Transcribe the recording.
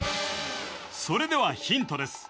それではヒントです